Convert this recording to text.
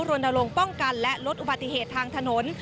รณรงค์ป้องกันและลดอุบัติเหตุทางถนน